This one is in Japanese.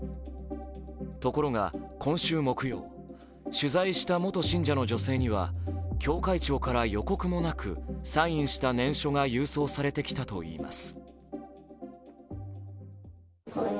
ところが、今週木曜取材した元信者の女性には教会長から予告もなくサインした念書が郵送されてきたといいます。